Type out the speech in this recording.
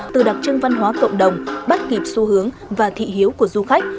từ đặc trưng văn hóa cộng đồng bắt kịp xu hướng và thị hiếu của du khách